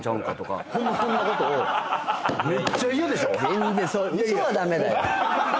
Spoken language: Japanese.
全然嘘は駄目だよ。